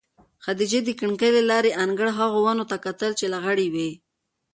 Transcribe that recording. خدیجې د کړکۍ له لارې د انګړ هغو ونو ته کتل چې لغړې وې.